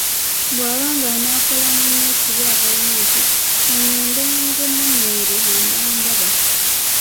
Bw’aba ng'anaakola munne ekibi agamba nti, “Ka ngende ngumunywere, anandaba".